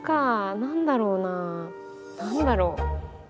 何だろう。